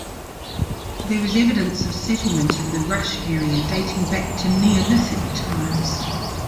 There is evidence of settlement in the Rush area dating back to Neolithic times.